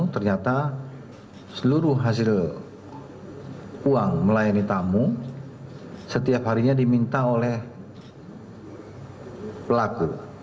ternyata seluruh hasil uang melayani tamu setiap harinya diminta oleh pelaku